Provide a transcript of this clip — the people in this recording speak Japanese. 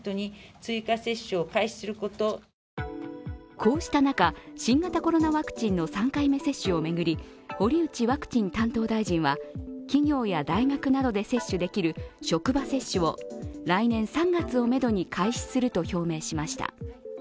こうした中、新型コロナワクチンの３回目接種を巡り堀内ワクチン担当大臣は企業や大学などで接種できる職場接種を来年３月をめどに開始すると表明しました。